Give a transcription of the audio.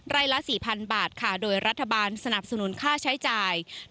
ละ๔๐๐๐บาทค่ะโดยรัฐบาลสนับสนุนค่าใช้จ่าย